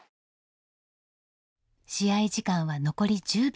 試合時間は残り１０秒。